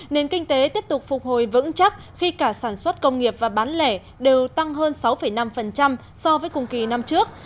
nền kinh tế tiếp tục phục hồi vững chắc khi cả sản xuất công nghiệp và bán lẻ đều tăng hơn sáu năm so với cùng kỳ năm trước